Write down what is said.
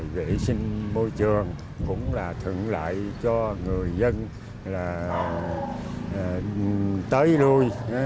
vệ sinh môi trường cũng là thượng lại cho người dân là tới lùi